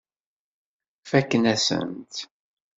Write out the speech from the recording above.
Fakken-asent-tt.